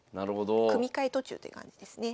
組み替え途中という感じですね。